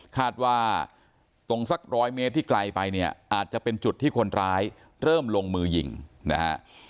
คาดว่าตรงสักร้อยเมตรที่ไกลไปเนี่ยอาจจะเป็นจุดที่คนร้ายเริ่มลงมือยิงนะฮะ